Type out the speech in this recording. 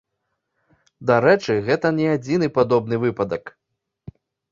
Дарэчы, гэта не адзіны падобны выпадак.